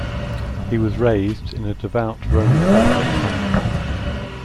He was raised in a devout Roman Catholic family.